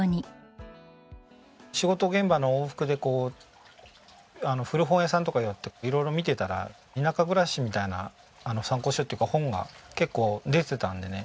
仕事現場の往復でこう古本屋さんとか寄って色々見てたら田舎暮らしみたいな参考書っていうか本が結構出てたんでね